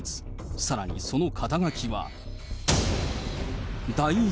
さらにその肩書きは。